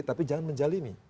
tapi jangan menjalimi